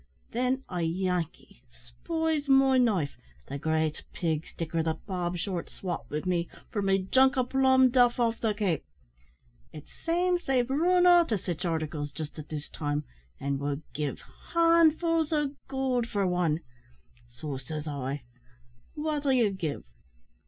Then a Yankee spies my knife, the great pig sticker that Bob Short swopped wi' me for my junk o' plum duff off the Cape. It seems they've run out o' sich articles just at this time, and would give handfuls o' goold for wan. So says I, `Wot'll ye give?'